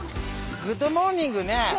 グッドモーニング。